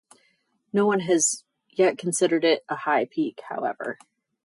No one has yet considered it a High Peak, however.